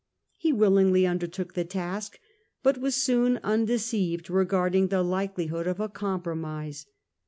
He willingly undertook the task, but was soon undeceived regarding the likelihood of a compromise.